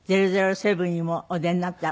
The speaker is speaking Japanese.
『００７』にもお出になった。